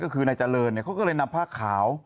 ก็คือนายเจริญเนี่ยเขาก็เลยนำผ้าขาว